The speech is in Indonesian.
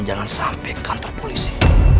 jangan sampai kantor polisi